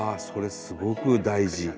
それすごく大事！